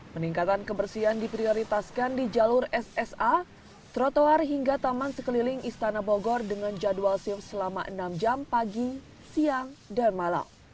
peningkatan kebersihan diprioritaskan di jalur ssa trotoar hingga taman sekeliling istana bogor dengan jadwal siup selama enam jam pagi siang dan malam